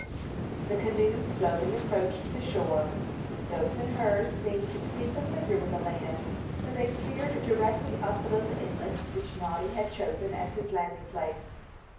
The canoe slowly approached the shore. Those in her seemed to be familiar with the land, for they steered directly up the little inlet which Noddy had chosen as his landing place.